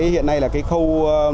hiện nay là cái khâu